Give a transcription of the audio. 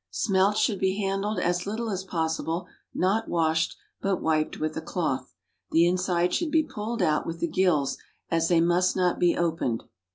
= Smelts should be handled as little as possible; not washed, but wiped with a cloth. The inside should be pulled out with the gills, as they must not be opened.